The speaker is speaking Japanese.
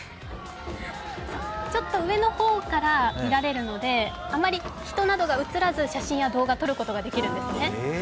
ちょっと上の方から見られるのであまり人などが映らず、写真や動画撮ることができるんですよね。